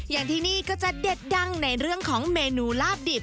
อย่างที่นี่ก็จะเด็ดดังในเรื่องของเมนูลาบดิบ